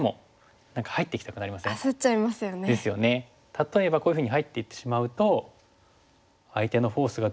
例えばこういうふうに入っていってしまうと相手のフォースがどんどん強くなっていって